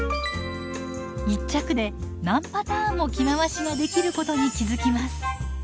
一着で何パターンも着回しができることに気付きます。